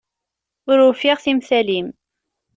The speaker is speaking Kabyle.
Ur ufiɣ timtal-im.